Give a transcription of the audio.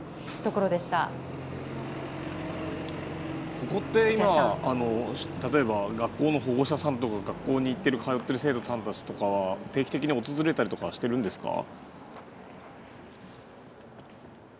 ここって今、例えば学校の保護者さんとか学校に通っている生徒さんたちが定期的に訪れたりしているんですか？